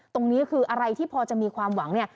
ตรงนี้คืออะไรที่พอจะมีความหวังเนี่ย